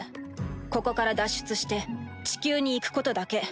ここから脱出して地球に行くことだけ。